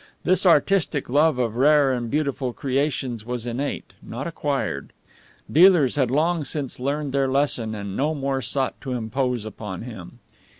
This artistic love of rare and beautiful creations was innate, not acquired. Dealers had long since learned their lesson, and no more sought to impose upon him.